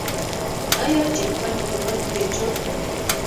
آیا چې خپل هیواد یې جوړ کړ؟